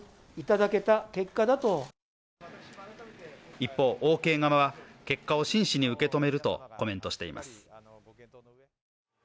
一方、オーケー側は結果をしんしに受け止めるとコメントしています。